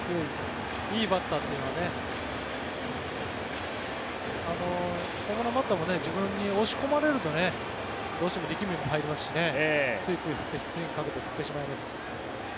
いいバッターというのはホームランバッターも押し込まれるとどうしても力みも入りますしついついスイングかけて振ってしまいます。